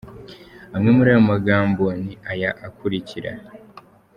Amwe muri ayo magambo ni aya akurikira:.